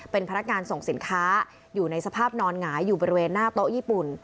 เป็นพนักงานส่งสินค้าอยู่ในสภาพนอนหงายอยู่บริเวณหน้าโต๊ะญี่ปุ่น